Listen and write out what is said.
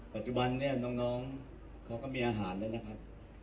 ปัจจุบันเนี่ยน้องเขาก็มีอาหารแล้วนะครับ